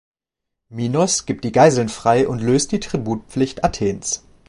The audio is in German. Minos gibt die Geiseln frei und löst die Tributpflicht Athens.